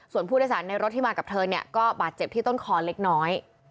ส่วนผู้โดยสารในรถที่มากับเธอเนี่ยก็บาดเจ็บที่ต้นคอเล็กน้อย